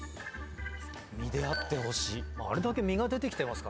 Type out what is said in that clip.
実であってほしい。